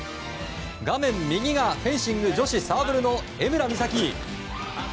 画面右がフェンシング女子サーブルの江村美咲。